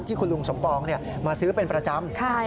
คุณลุงสมปองมาซื้อเป็นประจำ